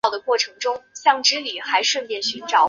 接受过国外教育的沙比提被推举为总理。